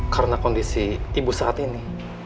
karena kondisi ibu saat ini